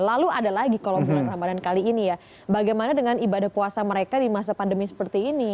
lalu ada lagi kalau bulan ramadhan kali ini ya bagaimana dengan ibadah puasa mereka di masa pandemi seperti ini